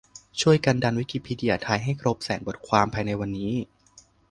ช่วยกันดันวิกิพีเดียไทยให้ครบแสนบทความภายในวันนี้